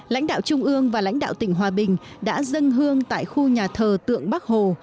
lãnh đạo trung ương và lãnh đạo tỉnh hòa bình đã dân hương tại khu nhà thờ tượng bắc hồ